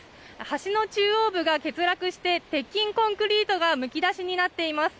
橋の中央部が欠落して鉄筋コンクリートがむき出しになっています。